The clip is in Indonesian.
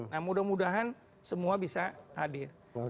nah mudah mudahan semua bisa hadir